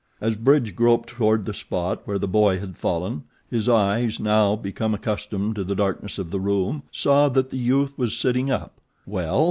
As Bridge groped toward the spot where the boy had fallen his eyes, now become accustomed to the darkness of the room, saw that the youth was sitting up. "Well?"